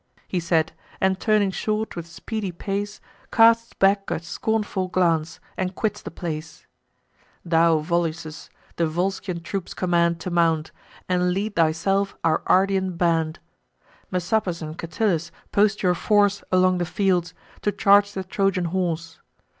He said, and, turning short, with speedy pace, Casts back a scornful glance, and quits the place: "Thou, Volusus, the Volscian troops command To mount; and lead thyself our Ardean band. Messapus and Catillus, post your force Along the fields, to charge the Trojan horse.